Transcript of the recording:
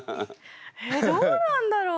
えどうなんだろう？